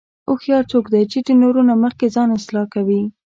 هوښیار څوک دی چې د نورو نه مخکې ځان اصلاح کوي.